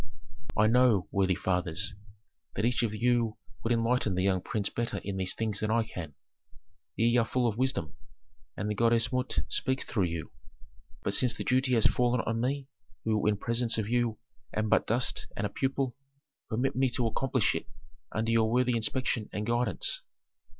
I know, worthy fathers, that each of you would enlighten the young prince better in these things than I can; ye are full of wisdom, and the goddess Mut speaks through you. But since the duty has fallen on me, who in presence of you am but dust and a pupil, permit me to accomplish it under your worthy inspection and guidance."